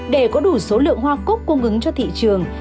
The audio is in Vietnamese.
để có đủ số lượng hoa cúc cung ứng cho thị trường